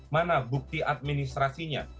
mana bukti administrasinya